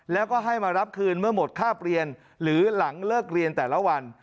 แล้วก็ให้มารับคืนเมื่อหมดค่าเปลี่ยนหรือหลังเลิกเรียนแต่ละวัน